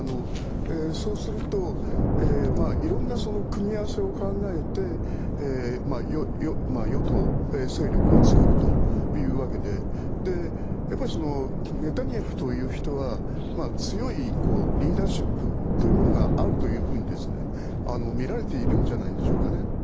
そうすると色んな組み合わせを考えて与党勢力を作るというわけでネタニヤフという人は強いリーダーシップというものがあるというふうに見られているんじゃないでしょうかね。